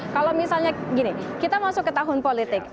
kalau misalnya gini kita masuk ke tahun politik